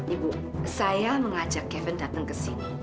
ibu saya mengajak kevin datang ke sini